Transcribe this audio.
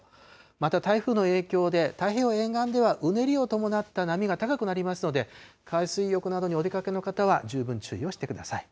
また、台風の影響で、太平洋沿岸ではうねりを伴った波が高くなりますので、海水浴などにお出かけの方は、十分注意をしてください。